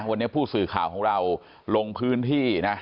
วันนี้ผู้สื่อข่าวของเราลงพื้นที่นะ